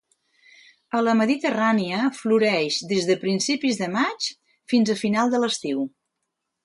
A la Mediterrània, floreix des de principis de maig fins a final de l'estiu.